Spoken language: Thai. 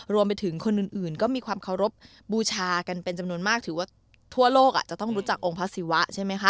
รวมไปถึงคนอื่นก็มีความเคารพบูชากันเป็นจำนวนมากถือว่าทั่วโลกจะต้องรู้จักองค์พระศิวะใช่ไหมคะ